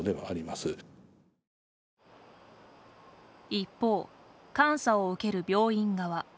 一方、監査を受ける病院側。